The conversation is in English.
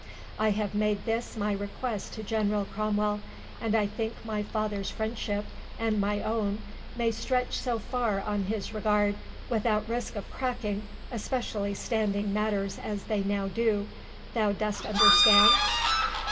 I have made this my request to General Cromwell, and I think my father's friendship and my own may stretch so far on his regard without risk of cracking, especially standing matters as they now do—thou dost understand?"